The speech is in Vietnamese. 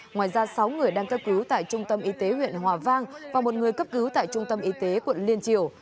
ngoài ra sáu người đang cấp cứu tại trung tâm y tế huyện hòa vang và một người cấp cứu tại trung tâm y tế quận liên triều